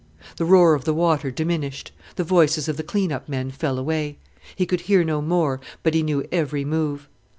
The roar of the water diminished, the voices of the clean up men fell away. He could hear no more, but he knew every move.